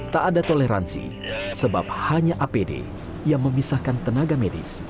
tak ada toleransi sebab hanya apd yang memisahkan tenaga medis